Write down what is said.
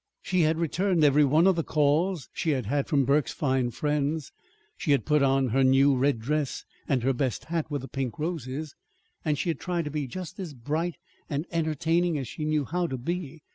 She had returned every one of the calls she had had from Burke's fine friends. She had put on her new red dress and her best hat with the pink roses; and she had tried to be just as bright and entertaining as she knew how to be.